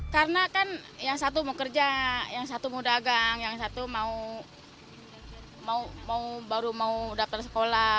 karena kan yang satu mau kerja yang satu mau dagang yang satu baru mau dapat sekolah